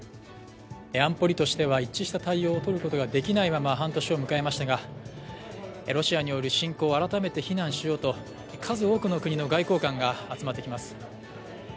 安保理としては一致した対応をとることができないまま半年を迎えましたが、ロシアによる侵攻を改めて非難しようと数多くの国の外交官が集まってきます。